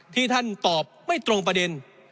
ที่ท่านตอบไม่ตรงประเด็น